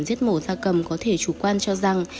giết mổ da cầm có thể chủ quan cho rằng